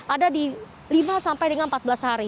ada di lima sampai dengan empat belas hari